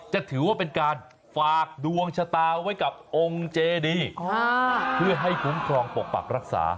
จะถือว่าเป็นการฝากดวงชะตาไว้กับองค์เจดีเพื่อให้คุ้มครองปกปักรักษา